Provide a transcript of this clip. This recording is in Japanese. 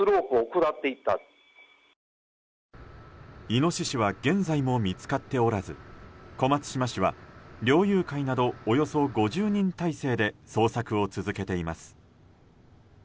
イノシシは現在も見つかっておらず小松島市は猟友会などおよそ５０人態勢で捜索を続けています。